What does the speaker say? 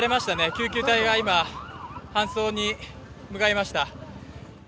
救急隊が今、搬送に向かいました。